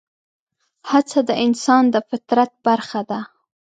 هڅه د انسان د فطرت برخه ده.